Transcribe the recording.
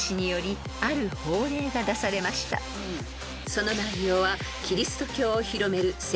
［その内容は］